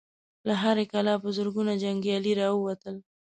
له هرې کلا په زرګونو جنګيالي را ووتل.